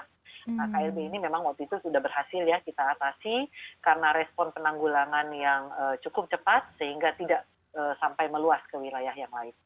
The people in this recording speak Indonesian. nah klb ini memang waktu itu sudah berhasil ya kita atasi karena respon penanggulangan yang cukup cepat sehingga tidak sampai meluas ke wilayah yang lain